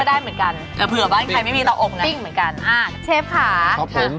อบก็ได้เหมือนกัน